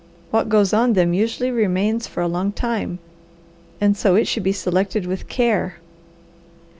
What goes on them usually remains for a long time, and so it should be selected with care.